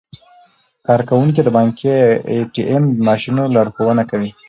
کارکوونکي د بانکي ای ټي ایم ماشینونو لارښوونه کوي.